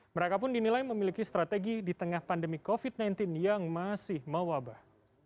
mereka pun dinilai memiliki strategi di tengah pandemi covid sembilan belas yang masih mewabah